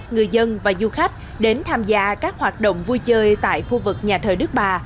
người dân và du khách đến tham gia các hoạt động vui chơi tại khu vực nhà thờ đức bà